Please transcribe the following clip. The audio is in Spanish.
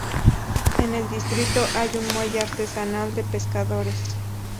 En el distrito hay un muelle artesanal de pescadores.